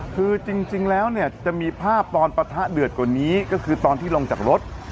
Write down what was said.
คือจริงแล้วเนี่ยจะมีภาพตอนปะทะเดือดกว่านี้ก็คือตอนที่ลงจากรถ